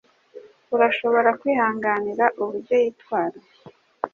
Urashobora kwihanganira uburyo yitwara?